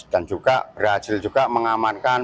dan juga berhasil juga mengamankan